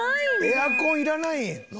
エアコンいらない！？